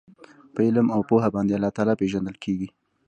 په علم او پوهه باندي الله تعالی پېژندل کیږي